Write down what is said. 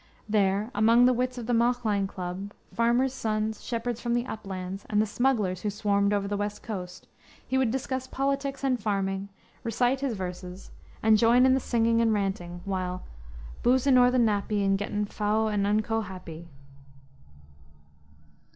There, among the wits of the Mauchline Club, farmers' sons, shepherds from the uplands, and the smugglers who swarmed over the west coast, he would discuss politics and farming, recite his verses, and join in the singing and ranting, while "Bousin o'er the nappy, And gettin' fou and unco happy."